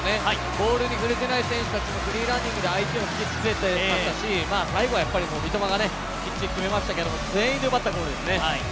ボールに触れていない選手もフリーランニングで相手にいっていましたし、最後はやっぱり三笘がきっちり決めましたけど全員で奪ったゴールですよね。